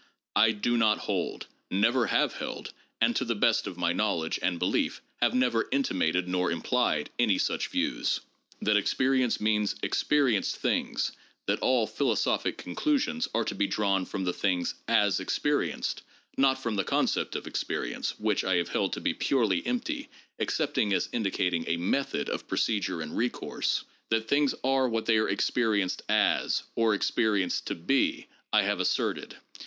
I do not hold, never have held, and, to the best of my knowledge and belief, have never intimated nor implied any such views. That experience means experienced things ; that all philosophic conclusions are to be drawn from the things as experienced (not from the concept of experience, which I have held to be purely empty excepting as indicating a method of procedure and recourse) ; that things are what they are experienced as, or experienced to be, I have asserted.